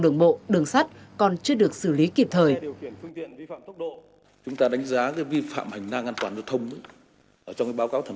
đường bộ đặc biệt là vấn đề trách nhiệm